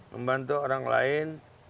membantu orang lain